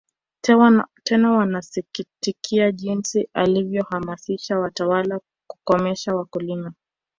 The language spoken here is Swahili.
Tena wanasikitikia jinsi alivyohamasisha watawala kukomesha wakulima